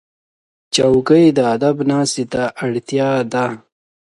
چوکۍ د ادب ناستې ته اړتیا ده.